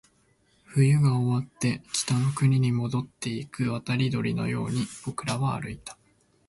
冬が終わって、北の国に戻っていく渡り鳥のように僕らは歩いた